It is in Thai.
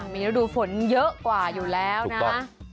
มีฤดูฝนเยอะกว่าอยู่แล้วนะ